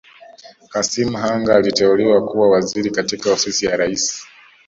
Kassim Hanga aliteuliwa kuwa Waziri katika Ofisi ya Rais